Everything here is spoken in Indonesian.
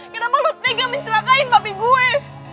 kenapa lo tega mencelakain papi gue